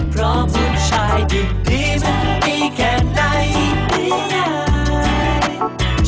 เพราะผู้ชายติดดีมันมีแค่ในอินดีอย่าย